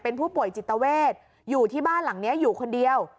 เป็นผู้ป่วยจิตเวทอยู่ที่บ้านหลังนี้อยู่คนเดียว